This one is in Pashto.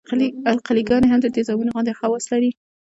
القلي ګانې هم د تیزابونو غوندې خواص لري.